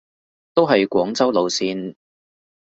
都係廣州路線